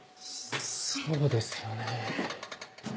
そうですよね。